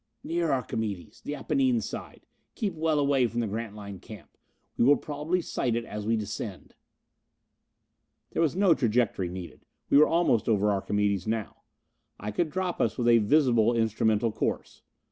"Near Archimedes. The Apennine side. Keep well away from the Grantline camp. We will probably sight it as we descend." There was no trajectory needed. We were almost over Archimedes now. I could drop us with a visible, instrumental course.